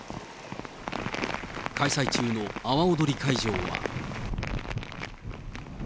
開催中の阿波おどり会場は。